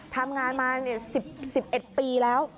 ทำงานมา๑๑ปีแล้ว